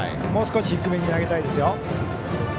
もう少し低めに投げたいですよ。